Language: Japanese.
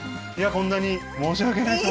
こんなに申し訳ないです